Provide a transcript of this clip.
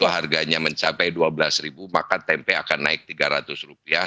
harganya mencapai dua belas ribu maka tempe akan naik tiga ratus rupiah